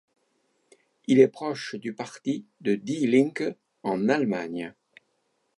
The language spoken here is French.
Il est proche du parti de Die Linke en Allemagne.